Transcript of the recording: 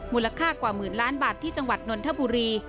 มูลค่ากว่าหมื่นล้านบาทที่จังหวัดนนทบุรี